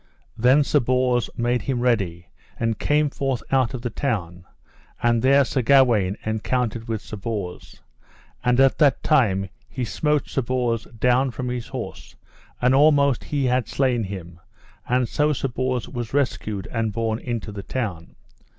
Then Sir Bors made him ready, and came forth out of the town, and there Sir Gawaine encountered with Sir Bors. And at that time he smote Sir Bors down from his horse, and almost he had slain him; and so Sir Bors was rescued and borne into the town.